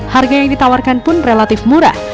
harga yang ditawarkan pun relatif murah